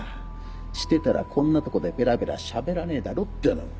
してたらこんなとこでベラベラしゃべらねえだろっての。